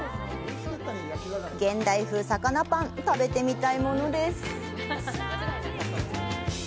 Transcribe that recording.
現代風魚パン食べてみたいものです。